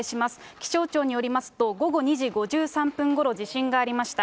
気象庁によりますと、午後２時５３分ごろ、地震がありました。